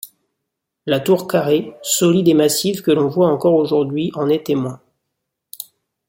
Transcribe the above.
La tour carrée, solide et massive que l’on voit encore aujourd’hui en est témoin.